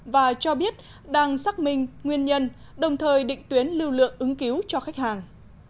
và cho biết đang xác minh nguyên nhân đồng thời định tuyến lưu lượng ứng cứu cho khách hàng